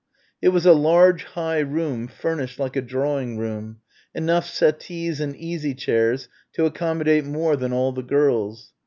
It was a large high room furnished like a drawing room enough settees and easy chairs to accommodate more than all the girls.